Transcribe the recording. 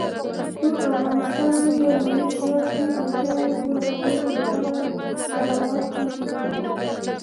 په افغانستان کې د لمریز ځواک د اړتیاوو پوره کولو لپاره اقدامات کېږي.